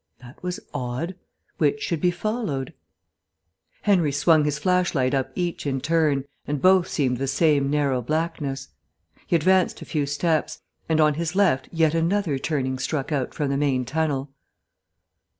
That was odd. Which should be followed? Henry swung his flashlight up each in turn, and both seemed the same narrow blackness. He advanced a few steps, and on his left yet another turning struck out from the main tunnel.